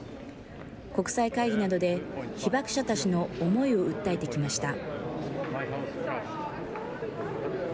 国際会議などで、被爆者たちの思いを訴えてきました。